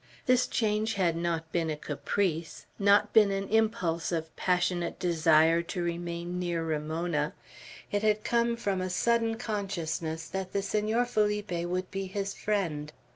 This change had not been a caprice, not been an impulse of passionate desire to remain near Ramona; it had come from a sudden consciousness that the Senor Felipe would be his friend.